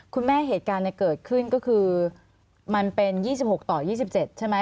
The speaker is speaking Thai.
เหตุการณ์เกิดขึ้นก็คือมันเป็น๒๖ต่อ๒๗ใช่ไหม